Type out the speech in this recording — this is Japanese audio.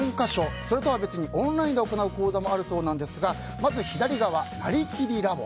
それとは別にオンラインで行う講座もあるそうですがまず左側、なりきりラボ。